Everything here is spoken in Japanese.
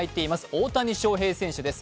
大谷翔平選手です。